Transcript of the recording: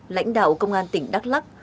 lãnh đạo công an tỉnh đắk lắc